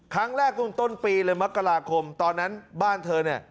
ครั้งแรกต้นปีเลยมกราคมตอนนั้นบ้านเธอเนี่ย